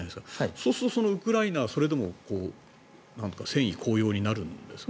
そうするとウクライナはそれでも戦意高揚になるんですか。